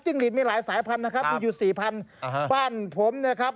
หลีดมีหลายสายพันธุนะครับมีอยู่สี่พันอ่าฮะบ้านผมนะครับ